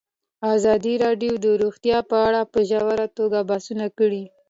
ازادي راډیو د روغتیا په اړه په ژوره توګه بحثونه کړي.